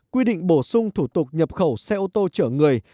quy định bổ sung thủ tục nhập khẩu xe ô tô chở người